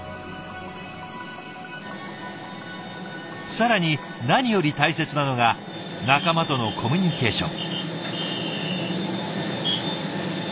更に何より大切なのが仲間とのコミュニケーション。